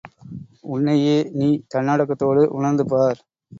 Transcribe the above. உன்னையே நீ தன்னடக்கத்தோடு உணர்ந்து பார்.